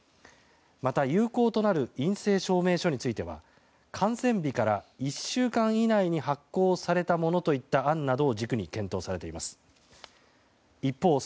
また有効となる陰性証明書については観戦日から１週間以内に発行されたものといった案などを軸に検討されています。